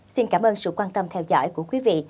xin cảm ơn sự quan tâm theo dõi của quý vị